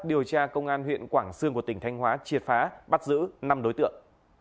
điều tra công an huyện quảng sương của tỉnh thanh hóa triệt phá bắt giữ năm đối tượng